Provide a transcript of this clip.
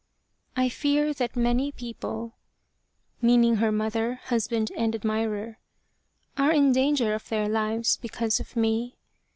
I fear that many people [meaning her mother, husband, and admirer] are in danger of their lives because of me.